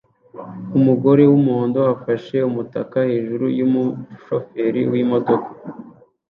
Umugore wumuhondo afashe umutaka hejuru yumushoferi wimodoka